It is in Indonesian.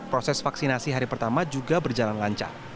proses vaksinasi hari pertama juga berjalan lancar